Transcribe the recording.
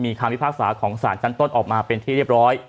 คำพิพากษาของสารชั้นต้นออกมาเป็นที่เรียบร้อย